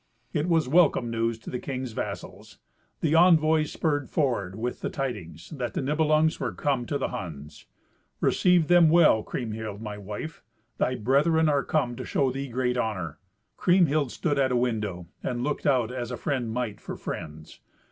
It was welcome news to the king's vassals. The envoys spurred forward with the tidings that the Nibelungs were come to the Huns. "Receive them well, Kriemhild, my wife. Thy brethren are come to show thee great honour." Kriemhild stood at a window and looked out as a friend might for friends.